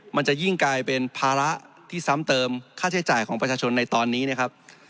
มันจะยิ่งกลายเป็นภาระที่ซ้ำเติมค่าใช้จ่ายของประชาชนในตอนนี้นะครับ